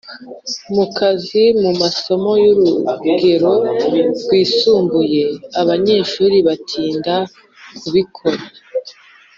mu kazi Mu masomo y urugero rwisumbuye abanyeshuri batinda kubikora